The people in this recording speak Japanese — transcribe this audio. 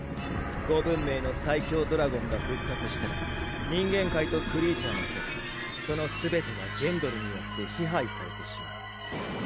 五文明の最強ドラゴンが復活したら人間界とクリーチャーの世界そのすべてがジェンドルによって支配されてしまう。